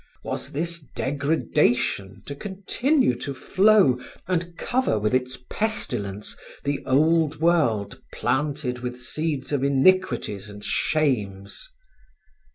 Was this degradation to continue to flow and cover with its pestilence the old world planted with seeds of iniquities and shames?